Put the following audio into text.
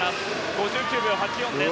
５９秒８４です。